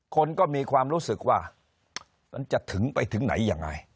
คนก็มีความรู้สึกว่ามันจะถึงไปถึงไหนยังไง